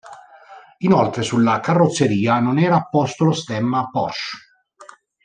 Inoltre sulla carrozzeria non era apposto lo stemma Porsche.